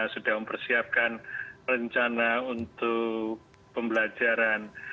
sudah mempersiapkan rencana untuk pembelajaran